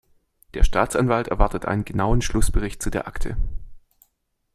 Der Staatsanwalt erwartet einen genauen Schlussbericht zu der Akte.